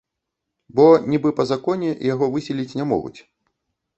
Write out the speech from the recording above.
Бо нібы па законе яго выселіць не могуць.